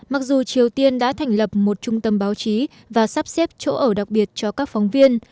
mặc dù triều tiên đã thành lập một trung tâm báo chí và sắp xếp chỗ ở đặc biệt cho các phóng viên